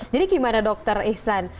jadi gimana dokter ihsan